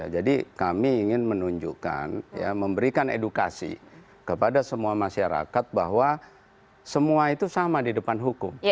jadi kami ingin menunjukkan memberikan edukasi kepada semua masyarakat bahwa semua itu sama di depan hukum